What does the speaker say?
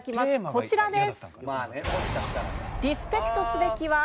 こちらです。